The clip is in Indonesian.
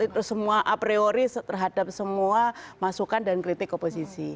itu semua a priori terhadap semua masukan dan kritik oposisi